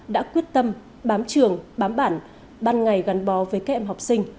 đã quyết tâm bám trường bám bản ban ngày gắn bò với các em học sinh